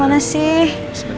mau kemana sih